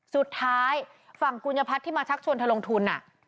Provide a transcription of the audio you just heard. สุดท้ายฝั่งกุญญพัฒน์ที่มาชักชวนเธอลงทุน